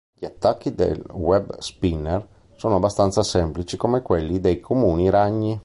Gli attacchi del Web Spinner sono abbastanza semplici come quelli dei comuni ragni.